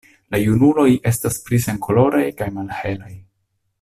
La junuloj estas pli senkoloraj kaj malhelaj.